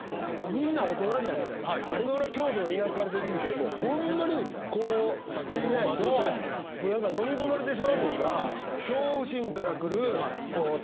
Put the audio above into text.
みんな大人じゃないですか俺は京都の田舎から出て来てホンマにこうしていないとのみ込まれてしまうというか。